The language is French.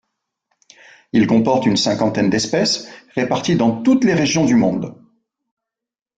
Il comporte une cinquantaine d'espèces réparties dans toutes les régions du monde.